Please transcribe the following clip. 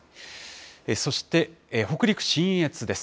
そして北陸・信越です。